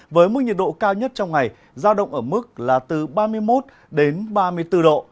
với mức nhiệt độ cao nhất trong ngày giao động ở mức là từ ba mươi một đến ba mươi bốn độ